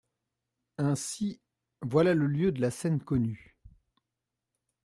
Ainsi, voilà le lieu de la scène connu.